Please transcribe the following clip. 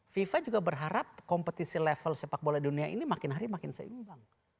fifa juga berharap kompetisi level sepak bola dunia ini makin hari makin seimbang